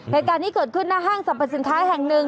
เหตุการณ์นี้เกิดขึ้นหน้าห้างสรรพสินค้าแห่งหนึ่ง